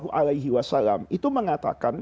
bahwa diantara ciri ciri rasulullah s a w itu berkata